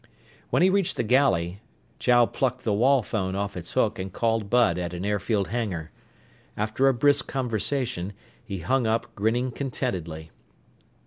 When he reached the galley, Chow plucked the wall phone off its hook and called Bud at an airfield hangar. After a brisk conversation, he hung up, grinning contentedly.